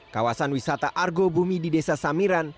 kawasan wisata argo bumi di desa samiran